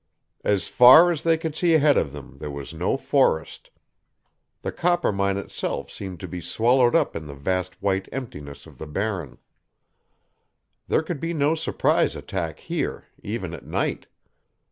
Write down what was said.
As far as they could see ahead of them there was no forest. The Coppermine itself seemed to be swallowed up in the vast white emptiness of the Barren. There could be no surprise attack here, even at night.